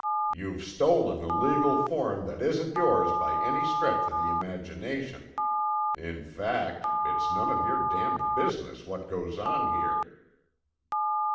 You've stolen a legal form that isn't yours by any stretch of the imagination. In fact, it's none of your damned business what goes on here."